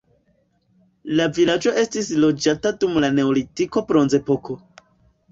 La vilaĝo estis loĝata dum la neolitiko bronzepoko.